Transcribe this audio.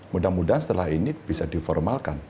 mudah mudahan setelah ini bisa diformalkan